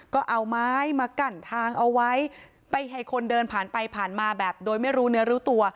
ก็เอาไม้มากั้นทางเอาไว้ไปให้คนเดินผ่านไปผ่านมาแบบโดยไม่รู้เนื้อรู้ตัว